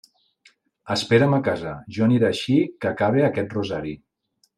Espera'm a casa; jo aniré així que acabe aquest rosari.